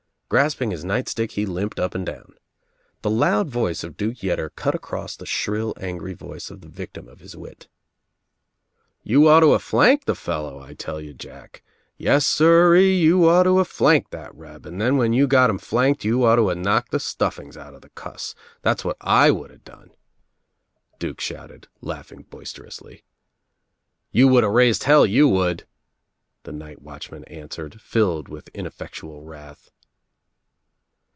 Grasping his night stick he limped up and down. The loud voice of Duke Yetter cut across the shrill angry voice of the victim of his wit. "You ought to a flanked the fellow, I tell you Jack. Yes sir 'ee, you ought to a flanked that reb and then when you got him flanked you ought to a knocked the stuffings out of the cuss. That's what I would a done," Duke shouted, laughing boisterously. "You would a raised hell, you would," the night watchman answered, filled with ineffectual wrath.